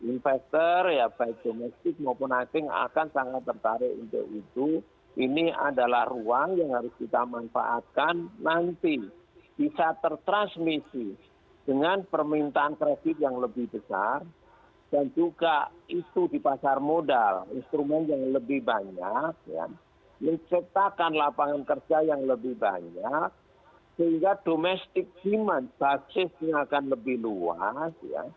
investor ya baik domestik maupun asing akan sangat tertarik untuk itu ini adalah ruang yang harus kita manfaatkan nanti bisa tertransmisi dengan permintaan kredit yang lebih besar dan juga isu di pasar modal instrumen yang lebih banyak menciptakan lapangan kerja yang lebih banyak sehingga domestik siman basisnya akan lebih luas